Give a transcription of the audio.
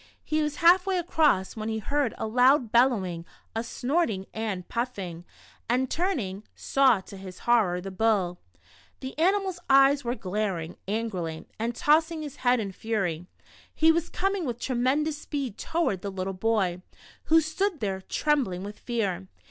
He was half way across when he heard a loud bellowing, a snorting and puffing, and turning, saw, to his horror, the bull ! The animal's eyes were glaring angrily, and tossing his head in fury, he was coming with tremendous speed toward the little boy, who stood there, trembling with fear